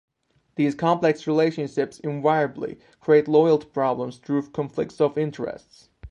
These complex relationships invariably created loyalty problems through conflicts of interests.